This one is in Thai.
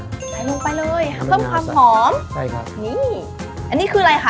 ใส่ลงไปเลยค่ะเพิ่มความหอมใช่ครับนี่อันนี้คืออะไรคะ